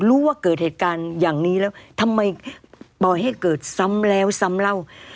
ว่าเกิดเหตุการณ์อย่างนี้แล้วทำไมปล่อยให้เกิดซ้ำแล้วซ้ำเล่า